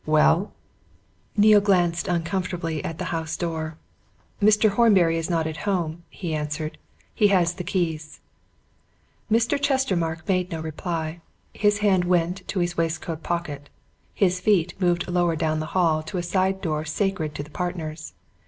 "Well?" Neale glanced uncomfortably at the house door. "Mr. Horbury is not at home," he answered. "He has the keys." Mr. Chestermarke made no reply. His hand went to his waistcoat pocket, his feet moved lower down the hall to a side door sacred to the partners.